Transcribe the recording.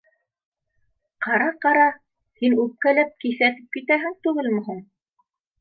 — Ҡара, ҡара, һин үпкәләп, киҫәтеп китәһең түгелме һуң?